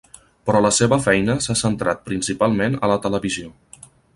Però la seva feina s'ha centrat principalment a la televisió.